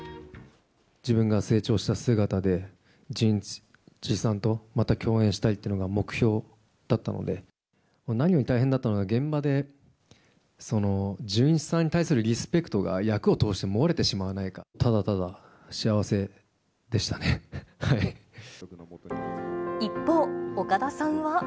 自分が成長した姿で、准一さんとまた共演したいっていうのが目標だったので、もう何より大変だったのは現場で、准一さんに対するリスペクトが役を通して漏れてしまわないか、一方、岡田さんは。